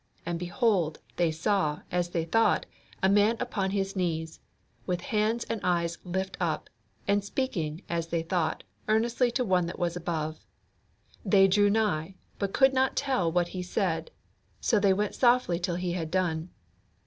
And behold, they saw, as they thought, a man upon his knees, with hands and eyes lift up, and speaking, as they thought, earnestly to one that was above. They drew nigh, but could not tell what he said; so they went softly till he had done.